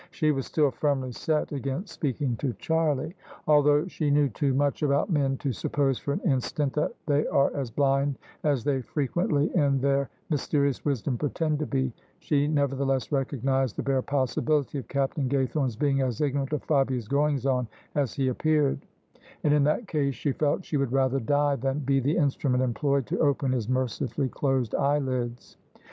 She was still firmly set against speaking to Charlie. Although she knew too much about men to suppose for an instant that they are as blind as they frequently in their mysterious wisdom pretend to be, she nevertheless recognised the bare possibility of Captain Gaythome's being as ignorant of Fabia's goings on as he appeared ; and in that case she felt she would rather die than be the instrument employed to open his mercifully closed eyelids.